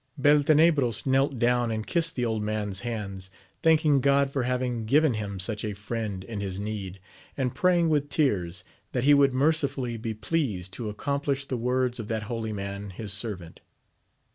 Beltenebros knelt down and kissed the old man's hands, thanking God for having given him such a Mend in his need, and praying with tears that he would mercifully be pleased to accomplish the words of that holy man his servant.